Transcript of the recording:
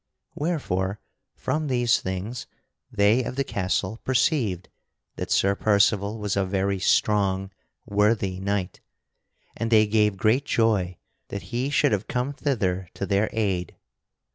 Wherefore, from these things, they of the castle perceived that Sir Percival was a very strong, worthy knight, and they gave great joy that he should have come thither to their aid.